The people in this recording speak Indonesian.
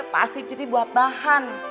pasti jadi buat bahan